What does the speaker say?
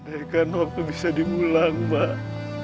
madaikan waktu bisa dimulang mak